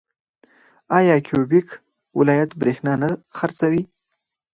آیا کیوبیک ولایت بریښنا نه خرڅوي؟